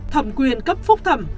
thẩm quyền cấp phúc thẩm